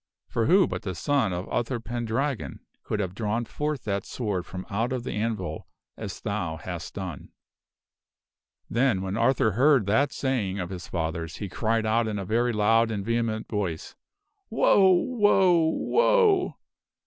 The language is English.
For who but the son of Uther Pendragon could have drawn forth that sword from out of the anvil as thou hast done ?" Then, when Arthur heard that saying of his father's, he cried out in a very loud and vehement voice, "Woe! Woe! Woe!"